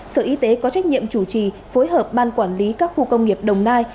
sở y tế có trách nhiệm chủ trì phối hợp ban quản lý các khu công nghiệp đồng nai